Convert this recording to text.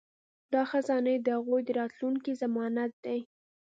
دا خزانې د هغوی د راتلونکي ضمانت دي.